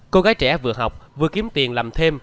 cô gái trẻ vừa học vừa kiếm tiền làm thêm